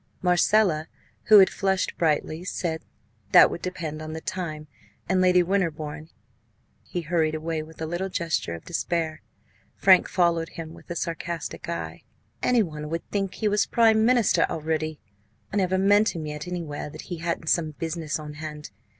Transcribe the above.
Marcella, who had flushed brightly, said that would depend on the time and Lady Winterbourne. He hurried away with a little gesture of despair. Frank followed him with a sarcastic eye. "Any one would think he was prime minister already! I never met him yet anywhere that he hadn't some business on hand.